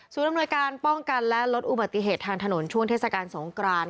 อำนวยการป้องกันและลดอุบัติเหตุทางถนนช่วงเทศกาลสงกราน